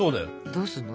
どうすんの？